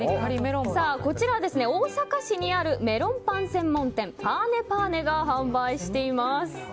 こちらは大阪市にあるメロンパン専門店パーネパーネが販売しています。